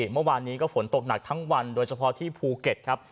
เมื่อวานนี้ก็ฝนตกหนักทั้งวันโดยเฉพาะที่ภูเก็ตครับ